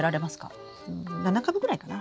うん７株ぐらいかな。